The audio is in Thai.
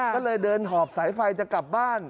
ก็เลยเดินหอบสายไฟจะกลับบ้าน